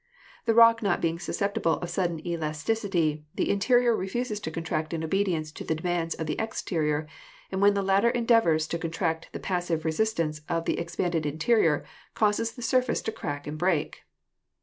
The rock not being susceptible of sudden elasticity, the interior refuses to contract in obedience to the demands of the exterior, and when the latter endeavors to contract the passive resistance of the expanded interior causes the surface to crack and break.